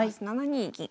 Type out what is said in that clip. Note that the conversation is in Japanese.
７二銀。